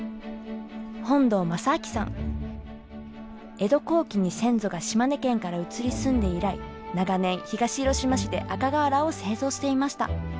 江戸後期に先祖が島根県から移り住んで以来長年東広島市で赤瓦を製造していました。